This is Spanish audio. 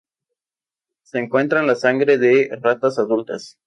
Se encuentra en la sangre de ratas adultas.